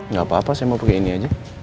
nggak apa apa saya mau pakai ini aja